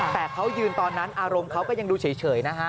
แต่เขายืนตอนนั้นอารมณ์เขาก็ยังดูเฉยนะฮะ